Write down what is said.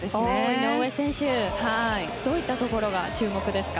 どういったところが注目ですか？